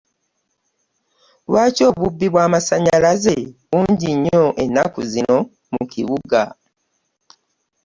Lwaki obubbi bw'amasanyalaze bungi nnyo ennaku zino mu kibuga?